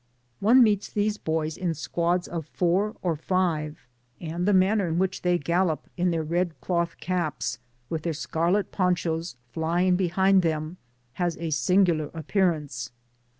One meets these boys in squads of four or five, and the manner in which they gallop in their red cloth caps, with their scarlet ponchos flying behind them, has a singu lar appearance.